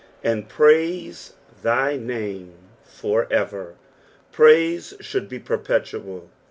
^'And praite thy name /or erer." Praise should be perpetual.